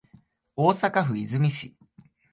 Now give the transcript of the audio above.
大阪府和泉市